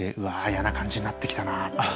嫌な感じになってきたなって。